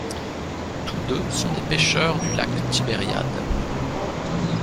Tous deux sont des pêcheurs du lac de Tibériade.